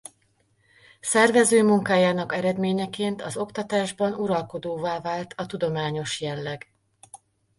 Szervező munkájának eredményeként az oktatásban uralkodóvá vált a tudományos jelleg.